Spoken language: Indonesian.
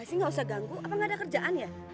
tapi gak usah ganggu apa gak ada kerjaan ya